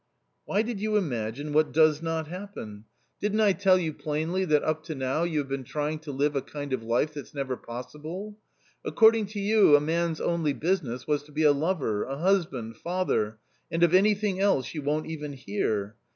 " Why did you imagine what does not happen ? Didn't I ^ A COMMON STORY 141 tell you plainly that up to now you have been trying to live a kind of life that's never possible ? According to you a man's only business was to be a lover, a husband, father .... and of anything else you won't even hear.